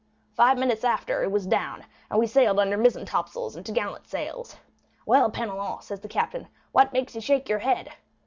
Five minutes after, it was down; and we sailed under mizzen topsails and top gallant sails. 'Well, Penelon,' said the captain, 'what makes you shake your head?